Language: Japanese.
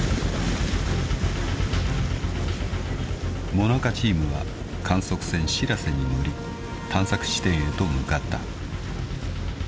［ＭＯＮＡＣＡチームは観測船しらせに乗り探索地点へと向かった］